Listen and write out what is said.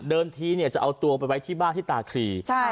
เดินที่เนี่ยจะเอาตัวไปไว้ที่บ้านที่ตาครีใช่